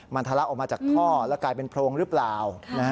มันทะลักออกมาจากท่อแล้วกลายเป็นโพรงหรือเปล่า